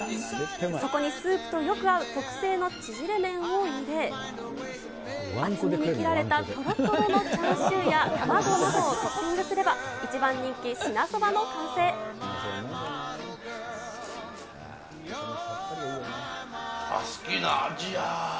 そこにスープとよく合う特製の縮れ麺を入れ、厚めに切られたとろとろのチャーシューや卵などをトッピングすれば、一番人気、好きな味や。